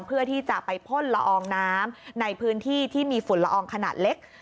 เพื่อที่จะไปพ่นละอองน้ำในพื้นที่ที่มีฝุ่นละอองขนาดเล็ก